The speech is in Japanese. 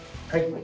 はい。